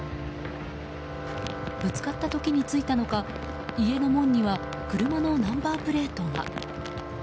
ぶつかった時についたのか家の門には車のナンバープレートが。